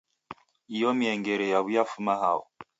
Iyo miengere yaw'iafuma hao?